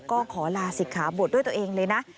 ก็ขอลาศิกขาบทด้วยตัวเองเลยนะ